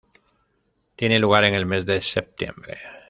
Tiene lugar en el mes de septiembre.